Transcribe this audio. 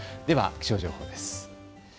では気象情報です。